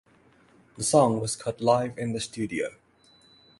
The song was cut live in the studio.